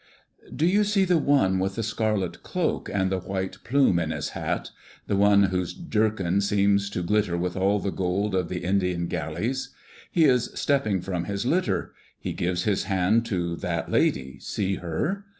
Do you see the one with the scarlet cloak and the white plume in his hat, the one whose jerkin seems to glitter with all the gold of the Indian galleys? He is stepping from his litter; he gives his hand to that lady, see her!